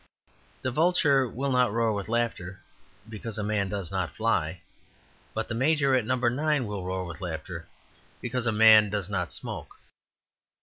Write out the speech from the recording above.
The vulture will not roar with laughter because a man does not fly; but the major at No. 9 will roar with laughter because a man does not smoke.